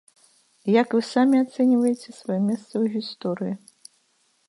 Як вы самі ацэньваеце сваё месца ў гісторыі?